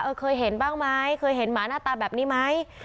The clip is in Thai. เจ้าเคยเห็นบ้างมั้ยเคยเห็นหมาหน้าตาแบบนี้มั้ย